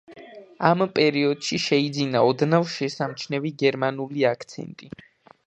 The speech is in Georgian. ამ პერიოდში შეიძინა ოდნავ შესამჩნევი გერმანული აქცენტი.